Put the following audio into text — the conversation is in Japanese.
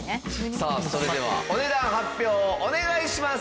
さあそれではお値段発表をお願いします！